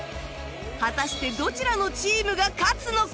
果たしてどちらのチームが勝つのか？